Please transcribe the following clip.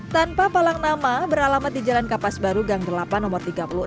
tanpa palang nama beralamat di jalan kapas baru gang delapan nomor tiga puluh enam